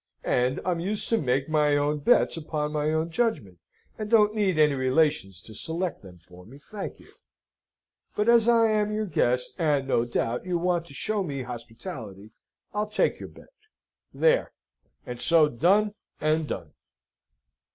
And I'm used to make my own bets upon my own judgment, and don't need any relations to select them for me, thank you. But as I am your guest, and, no doubt, you want to show me hospitality, I'll take your bet there. And so Done and Done."